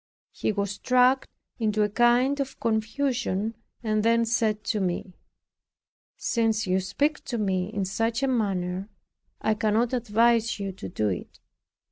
He was struck into a kind of confusion; and then said to me, "Since you speak to me in such a manner, I cannot advise you to it.